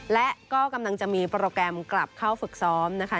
และก็กำลังจะมีโปรแกรมกลับเข้าฝึกซ้อมนะคะ